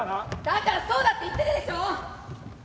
だからそうだって言ってるでしょ！